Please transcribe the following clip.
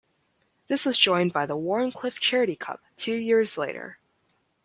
This was joined by the Wharncliffe Charity Cup two years later.